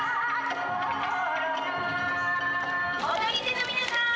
踊り手の皆さん